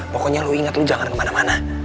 pokoknya lo inget lo jangan kemana mana